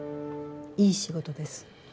いい仕事です。